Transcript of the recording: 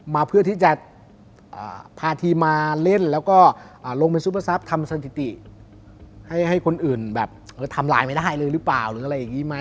มาเพื่อที่จะพาทีมมาเล่นแล้วก็ลงเป็นซุปเปอร์ทรัพย์ทำสนับสนิทิให้คนอื่นทำลายไม่ได้หรือเปล่า